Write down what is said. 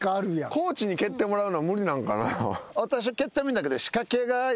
コーチに蹴ってもらうのは無理なんかなぁ。